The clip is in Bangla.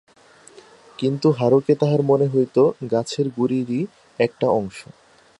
কিন্তু হারুকে তাহার মনে হইত গাছের গুড়িরই একটা অংশ।